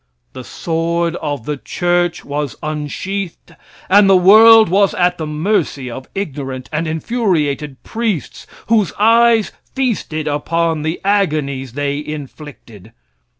The sword of the church was unsheathed, and the world was at the mercy of ignorant and infuriated priests, whose eyes feasted upon the agonies they inflicted.